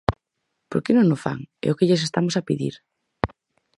¿Por que non o fan? É o que lles estamos a pedir.